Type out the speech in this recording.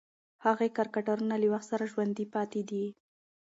هغې کرکټرونه له وخت سره ژوندۍ پاتې دي.